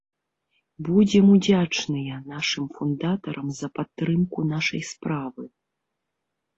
Будзем удзячныя нашым фундатарам за падтрымку нашай справы.